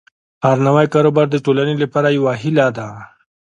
هر نوی کاروبار د ټولنې لپاره یوه هیله ده.